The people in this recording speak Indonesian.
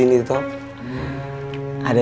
aku mau kita tanggal